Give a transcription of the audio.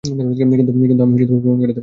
কিন্তু আমি প্রমাণ করে দিবো।